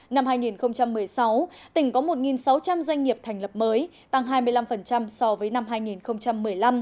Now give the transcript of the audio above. năm hai nghìn một mươi sáu tỉnh có một sáu trăm linh doanh nghiệp thành lập mới tăng hai mươi năm so với năm hai nghìn một mươi năm